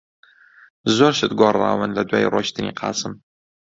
زۆر شت گۆڕاون لەدوای ڕۆیشتنی قاسم.